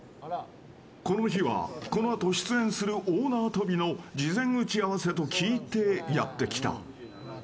この日はこのあと出演する大縄跳びの事前打ち合わせと聞いてやってきた。